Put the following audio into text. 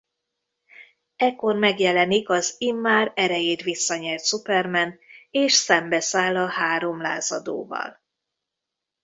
Ekkor megjelenik az immár erejét visszanyert Superman és szembeszáll a három lázadóval.